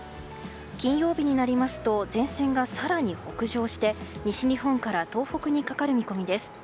金曜日になりますと前線が更に北上して西日本から東北にかかる見込みです。